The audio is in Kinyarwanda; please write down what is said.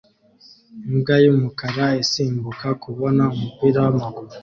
Imbwa yumukara isimbuka kubona umupira wamaguru